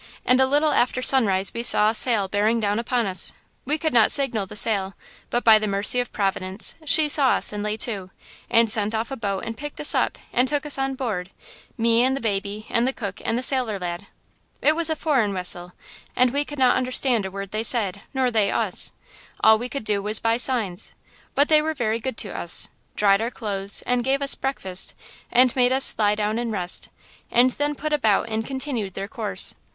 And a little after sunrise we saw a sail bearing down upon us. We could not signal the sail, but by the mercy of Providence, she saw us and lay to, and sent off a boat and picked us up and took us on board–me and the baby and the cook and the sailor lad. "It was a foreign wessel, and we could not understand a word they said, nor they us. All we could do was by signs. But they were very good to us–dried our clothes and gave us breakfast and made us lie down and rest, and then put about and continued their course.